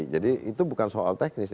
jadi itu bukan soal teknis